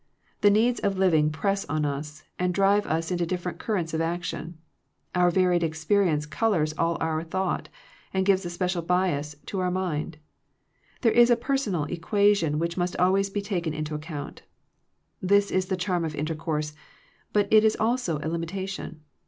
The needs of living press on us, and drive us into different currents of action. Our varied experience colors all our thought, and gives a special bias to our mind. There is a personal equation which must always be taken into ac count. This is the charm of intercourse, but it is also a limitation.